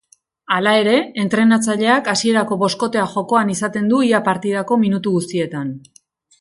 Hala ere, entrenatzaileak hasierako boskotea jokoan izaten du ia partidako minutu guztietan.